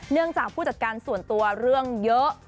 เนื่องจากผู้จัดการส่วนตัวเรื่องเยอะ